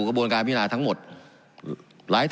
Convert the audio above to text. การปรับปรุงทางพื้นฐานสนามบิน